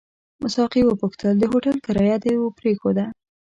ساقي وپوښتل: د هوټل کرایه دې پرېښوده؟